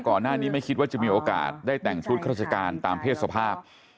ก่อนหน้านี้ไม่คิดว่าจะมีโอกาสได้แต่งชุดข้าราชการตามเพศสภาพ